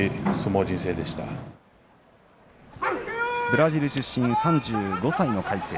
ブラジル出身３５歳の魁聖